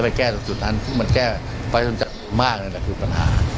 ก็ไปแก้ต่อสุดนั้นมันแก้ไปจนจะมากเลยแต่คือปัญหา